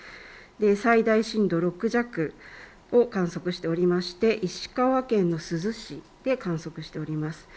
最大震度６弱を観測しておりまして石川県の珠洲市で観測しております。